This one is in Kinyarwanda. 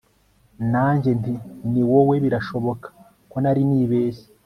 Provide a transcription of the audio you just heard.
Nanjye nti Ni wowe Birashoboka ko nari nibeshye